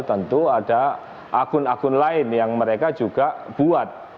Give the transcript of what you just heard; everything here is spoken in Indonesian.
tentu ada akun akun lain yang mereka juga buat